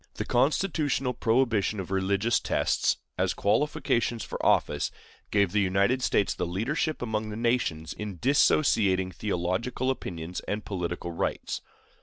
The constitutional prohibition of religious tests as qualifications for office gave the United States the leadership among the nations in dissociating theological opinions and political rights.